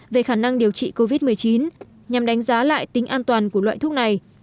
về khả năng điều trị covid một mươi chín nhằm đánh giá lại tính an toàn của loại thuốc này